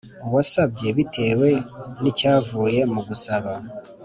Uwasabye bitewe n icyavuye mu gusaba